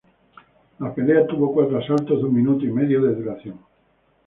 La pelea tuvo cuatro asaltos de un minuto y medio de duración.